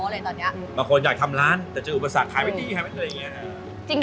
บางคนใครอยากทำร้านแต่มีอุปสรรคท้ายไปติอยากทำอะไรนี้